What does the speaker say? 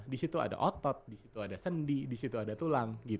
di situ ada otot di situ ada sendi di situ ada tulang